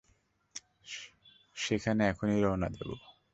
সেখানে এখনই রওনা দেব।